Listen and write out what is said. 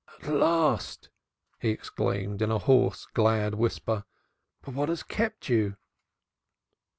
"At last!" he exclaimed in a hoarse, glad whisper. "What has kept you?"